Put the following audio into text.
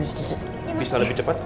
bisa lebih cepet